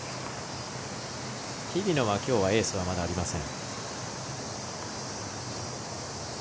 日比野はきょうはエースはまだありません。